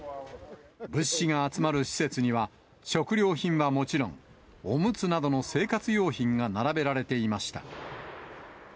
物資が集まる施設には、食料品はもちろん、おむつなどの生活用品が並べられていました。